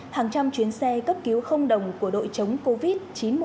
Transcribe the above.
hàng trăm chuyến xe cấp cứu không đồng của đội chống covid một mươi chín chín một một